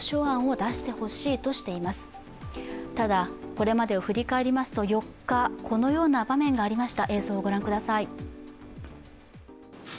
これまでを振り返りますと、４日、このような場面がありました。